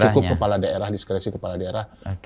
cukup kepala daerah diskresi kepala daerah